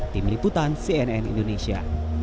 tim liputan cnn indonesia